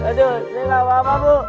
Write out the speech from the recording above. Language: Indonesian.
aduh ini gak apa apa bu